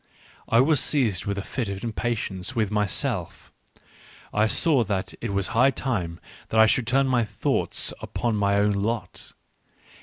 I was seized with a fit of impatience with myself; I saw that it was high time that I should turn my thoughts upon my own lot.